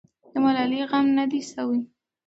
د ملالۍ غم نه دی سوی.